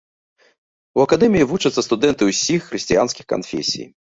У акадэміі вучацца студэнты ўсіх хрысціянскіх канфесій.